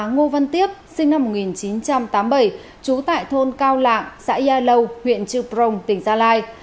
ngô văn tiếp sinh năm một nghìn chín trăm tám mươi bảy trú tại thôn cao lạng xã gia lâu huyện triều prong tỉnh gia lai